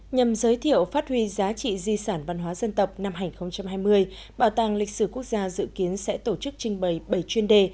nhằm giới thiệu phát huy giá trị di sản văn hóa dân tộc năm hai nghìn hai mươi bảo tàng lịch sử quốc gia dự kiến sẽ tổ chức trình bày bảy chuyên đề